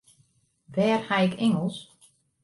Wêr ha ik Ingelsk?